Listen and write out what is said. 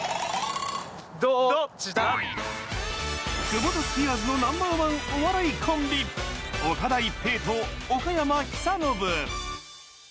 クボタスピアーズのナンバーワンお笑いコンビ、岡田一平と岡山仙治。